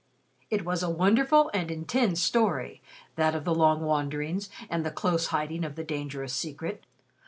It was a wonderful and intense story, that of the long wanderings and the close hiding of the dangerous secret.